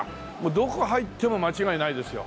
どこ入っても間違いないですよ